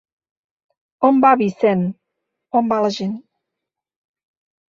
On va Vicent? On va la gent.